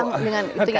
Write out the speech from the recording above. kaisang dengan itu ya